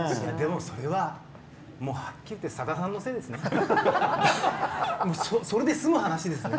それは、はっきり言ってさださんのせいですね。